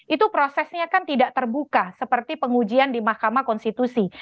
itu prosesnya kan tidak terbuka seperti pengujian di mahkamah konstitusi